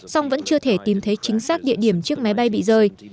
song vẫn chưa thể tìm thấy chính xác địa điểm chiếc máy bay bị rơi